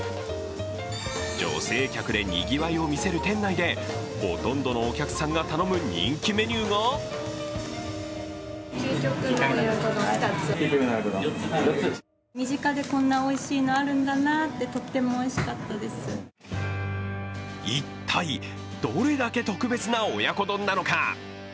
女性客でにぎわいをみせる店内でほとんどのお客さんが頼む人気メニューが一体どれだけ特別な親子丼なのか。